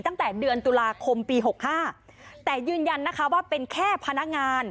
ตั้งแต่เดือนตุลาคมปีหกห้าแต่ยืนยันนะคะว่าเป็นแค่พนักงาน